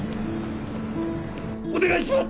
お願いします！